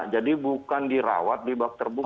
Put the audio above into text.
jadi bukan dirawat di bak terbuka